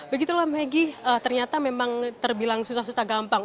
begitulah maggie ternyata memang terbilang susah susah gampang